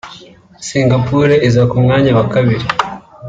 Singapore iza ku mwanya wa kabiri